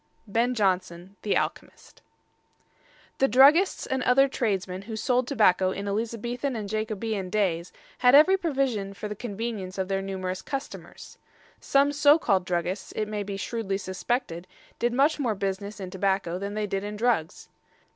BEN JONSON, The Alchemist. The druggists and other tradesmen who sold tobacco in Elizabethan and Jacobean days had every provision for the convenience of their numerous customers. Some so called druggists, it may be shrewdly suspected, did much more business in tobacco than they did in drugs.